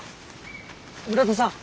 村田さん